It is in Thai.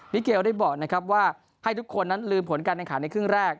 เกลได้บอกนะครับว่าให้ทุกคนนั้นลืมผลการแข่งขันในครึ่งแรก